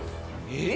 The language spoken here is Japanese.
「えっ！」